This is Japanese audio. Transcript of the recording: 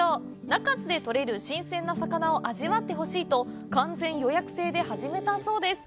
中津で取れる新鮮な魚を味わってほしいと完全予約制で始めたそうです。